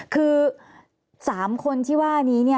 คือ๓คนที่ว่านี้